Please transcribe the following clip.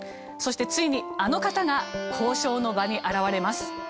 そしてついにあの方が交渉の場に現れます。